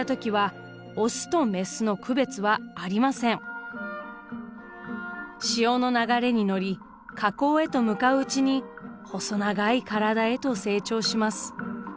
生まれた時は潮の流れに乗り河口へと向かううちに細長い体へと成長します。